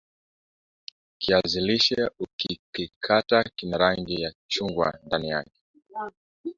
Kiazi lishe ukikikata kina rangi ya chungwa ndani